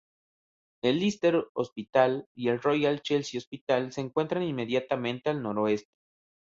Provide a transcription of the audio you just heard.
El Lister Hospital y el Royal Chelsea Hospital se encuentran inmediatamente al noroeste.